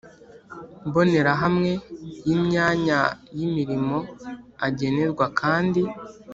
mbonerahamwe y imyanya y imirimo agenerwa kandi